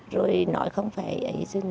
rồi nói không phải